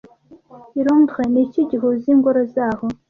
I Londres ni iki gihuza ingoro zaho